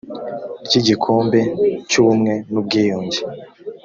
ry igikombe cy ubumwe n ubwiyunge